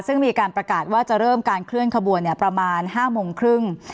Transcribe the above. ซึ่งมีการประกาศว่าจะเริ่มการเคลื่อนขบวนประมาณ๕โมงครึ่ง